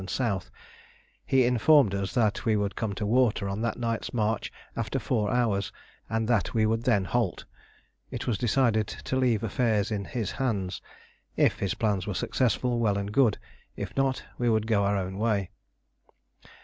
and S. He informed us that we would come to water on that night's march after four hours, and that we would then halt. It was decided to leave affairs in his hands: if his plans were successful, well and good; if not, we would go our own way.